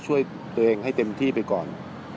ช่วยตัวเองให้เต็มที่ไปก่อน